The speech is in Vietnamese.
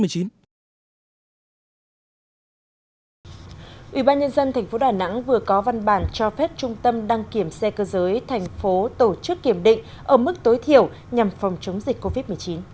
ủy ban nhân dân tp đà nẵng vừa có văn bản cho phép trung tâm đăng kiểm xe cơ giới thành phố tổ chức kiểm định ở mức tối thiểu nhằm phòng chống dịch covid một mươi chín